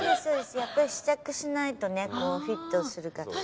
やっぱり試着しないとねこうフィットするか。